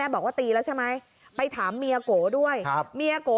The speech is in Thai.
บอกว่าตีแล้วใช่ไหมไปถามเมียโกด้วยเมียโก